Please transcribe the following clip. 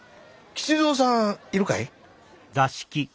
吉蔵さんいるかい？